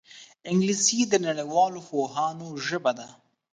انګلیسي د نړیوالو پوهانو ژبه ده